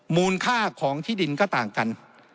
มูลค่าของที่ดินก็ต่างกัน